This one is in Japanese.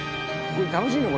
楽しいの？